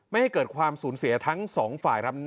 ไม่ให้เกิดความสูญเสียทั้งสองฝ่ายครับ